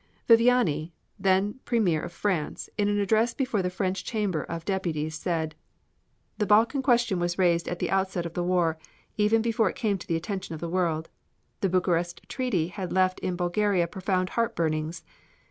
Viviani, then Premier of France, in an address before the French Chamber of Deputies, said: The Balkan question was raised at the outset of the war, even before it came to the attention of the world. The Bucharest Treaty had left in Bulgaria profound heartburnings.